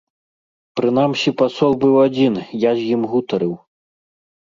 Прынамсі пасол быў адзін, я з ім гутарыў.